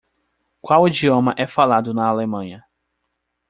Qual idioma é falado na Alemanha?